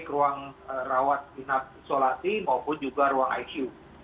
ruang rawat inap isolasi maupun juga ruang icu